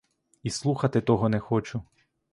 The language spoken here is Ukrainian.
І слухати того не хочу!